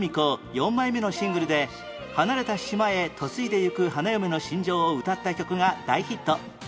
４枚目のシングルで離れた島へ嫁いでゆく花嫁の心情を歌った曲が大ヒット